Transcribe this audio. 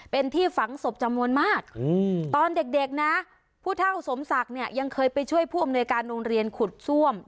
เป็นที่ฝังศพจำนวนมากตอนเด็กนะผู้เท่าสมศักดิ์เนี่ยยังเคยไปช่วยผู้อำนวยการโรงเรียนขุดซ่วม